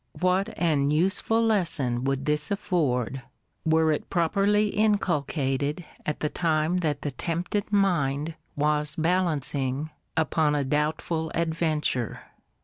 What an useful lesson would this afford, were it properly inculcated at the time that the tempted mind was balancing upon a doubtful adventure?